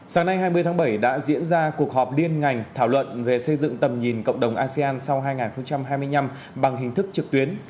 sáng nay hai mươi tháng bảy đã diễn ra cuộc họp liên ngành thảo luận về xây dựng tầm nhìn cộng đồng asean sau hai nghìn hai mươi năm bằng hình thức trực tuyến